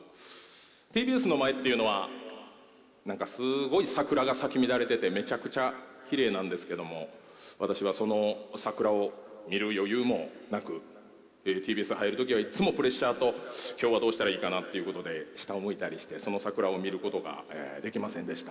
ＴＢＳの前というのは、何かすごい桜が咲き乱れていてめちゃくちゃきれいなんですけれども私はその桜を見る余裕もなくＴＢＳ入るときはいつもプレッシャーと今日はどうしたらいいかなと下を向いたりして、その桜を見ることができませんでした。